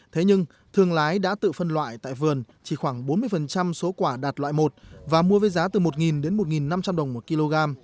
thế nhưng thương lái đã tự phân loại tại vườn chỉ khoảng bốn mươi số quả đạt loại một và mua với giá từ một đến một năm trăm linh đồng một kg